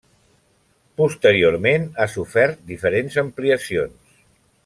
Posteriorment ha sofert diferents ampliacions.